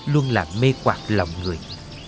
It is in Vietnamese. luôn là mê quạt lòng người